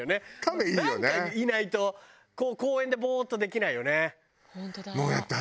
なんかいないとこう公園でボーッとできないよね。